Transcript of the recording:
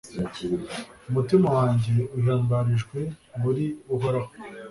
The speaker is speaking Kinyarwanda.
umutima wanjye uhimbarijwe muri uhoraho